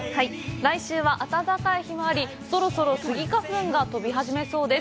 来週は暖かい日もあり、そろそろスギ花粉が飛び始めそうです。